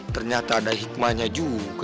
ternyata ada hikmahnya juga